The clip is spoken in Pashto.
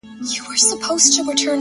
• مار پر ږغ کړل ویل اې خواره دهقانه,